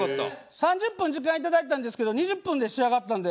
３０分時間いただいたんですけど２０分で仕上がったんで。